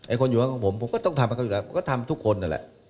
คนอยู่ข้างของผมผมก็ต้องทำให้เขาอยู่แล้วก็ทำทุกคนนั่นแหละ